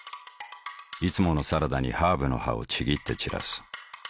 いつものサラダにハーブの葉をちぎって散らす。